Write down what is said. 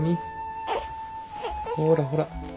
ほらほら。